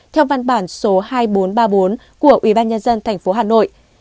theo văn bản số hai nghìn bốn trăm ba mươi bốn của ubnd tp hà nội